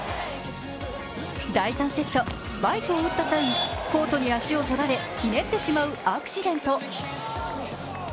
第３セット、スパイクを打った際コートに足を取られ、ひねってしまうアクシデント。